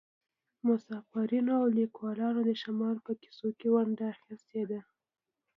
مسافرینو او لیکوالانو د شمال په کیسو کې ونډه اخیستې ده